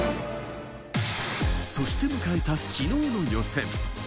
そして迎えた昨日の予選。